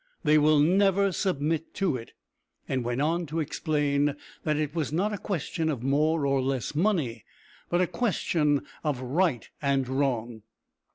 They will never submit to it;" and went on to explain that it was not a question of more or less money, but a question of right and wrong.